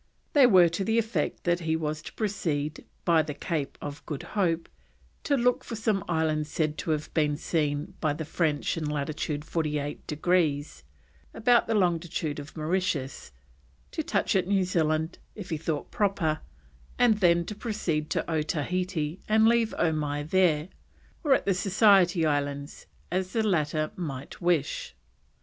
They were to the effect that he was to proceed by the Cape of Good Hope; to look for some islands said to have been seen by the French in latitude 48 degrees, about the longitude of Mauritius; to touch at New Zealand, if he thought proper; and then to proceed to Otaheite and leave Omai there, or at the Society Islands, as the latter might wish.